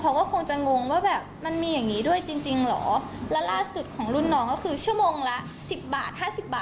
แล้วเฟซเราก็โดนบล็อกเม้นต์